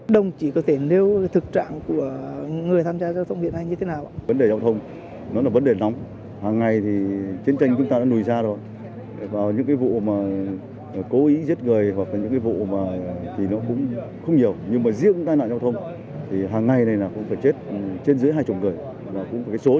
đồng chí có thể nêu thực trạng của người tham gia giao thông hiện nay như thế nào